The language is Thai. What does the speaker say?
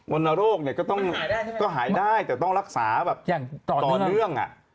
วันโรคก็ต้องหายได้แต่ต้องรักษาต่อเนื่อง